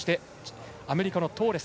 アメリカのトーレス。